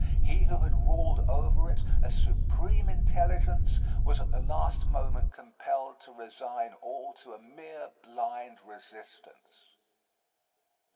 He who had ruled over it, a supreme intelligence, was at the last moment compelled to resign all to a mere blind resistance.